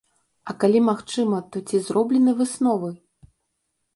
А калі магчыма, то ці зроблены высновы?